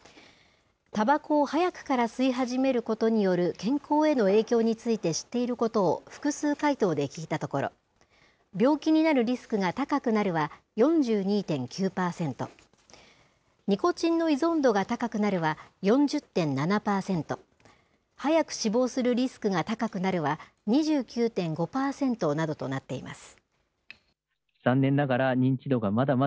たばこを早くから吸い始めることによる健康への影響について知っていることを複数回答で聞いたところ、病気になるリスクが高くなるは４２．９％、ニコチンの依存度が高くなるは４０．７％、早く死亡するリスクが高くなるは２９．５％などとなっています。